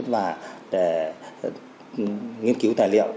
và để nghiên cứu tài liệu